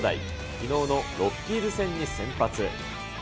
きのうのロッキーズ戦に先発。